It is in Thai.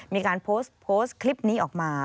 มีการโพสต์คลิปนี้ออกมา